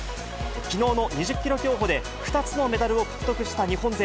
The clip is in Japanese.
きのうの２０キロ競歩で２つのメダルを獲得した日本勢。